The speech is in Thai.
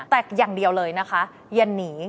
แต่อย่างเดียวเลยนะคะอย่าหนี